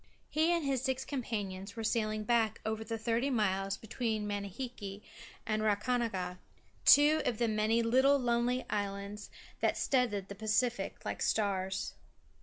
He and his six companions were sailing back over the thirty miles between Manihiki and Rakahanga, two of the many little lonely ocean islands that stud the Pacific like stars.